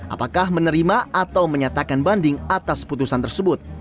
apakah menerima atau menyatakan banding atas putusan tersebut